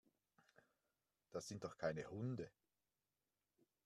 Das sind doch keine Hunde.